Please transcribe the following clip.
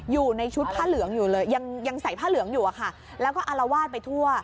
อยู่ในชุดผ้าเหลืองอยู่เลยยังใส่ผ้าเหลืองอยู่อะค่ะแล้วก็อารวาสไปทั่ว